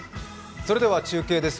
それでは中継です。